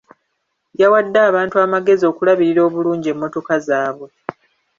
Yawadde abantu amagezi okulabirira obulungi emmotoka zaabwe.